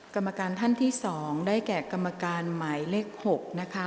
กรรมการท่านที่๒ได้แก่กรรมการหมายเลข๖นะคะ